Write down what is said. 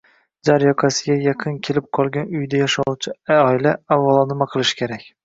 jar yoqasiga yaqin kelib qolgan uyda yashovchi oila avvalo nima qilishi kerak?